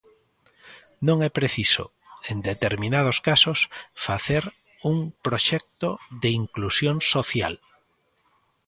Non é preciso en determinados casos facer un proxecto de inclusión social.